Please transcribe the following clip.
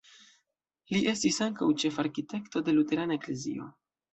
Li estis ankaŭ ĉefarkitekto de luterana eklezio.